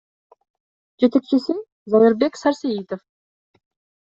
Жетекчиси — Зайырбек Сарсеитов.